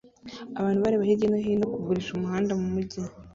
Abantu bareba hirya no hino kugurisha umuhanda mumujyi